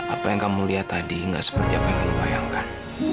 apa yang kamu lihat tadi nggak seperti apa yang kamu bayangkan